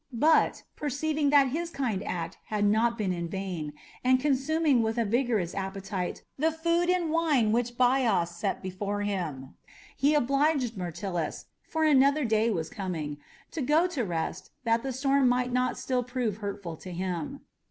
But, after perceiving that his kind act had not been in vain, and consuming with a vigorous appetite the food and wine which Bias set before him, he obliged Myrtilus for another day was coming to go to rest, that the storm might not still prove hurtful to him.